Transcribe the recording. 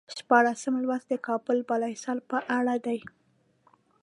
شپاړسم لوست د کابل بالا حصار په اړه دی.